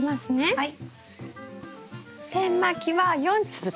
はい。